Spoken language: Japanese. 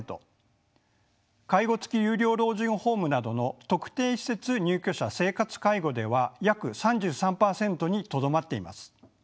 介護つき有料老人ホームなどの特定施設入居者生活介護では約３３％にとどまっています。